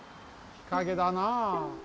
日陰だなあ。